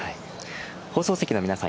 放送席の皆さん